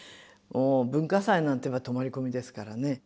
文化祭なんていえば泊まり込みですからね。